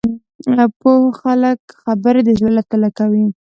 پوه خلک خبرې د زړه له تله کوي